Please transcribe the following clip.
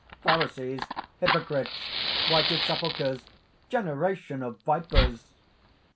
"Pharisees, hypocrites, whited sepulchres, generation of vipers!"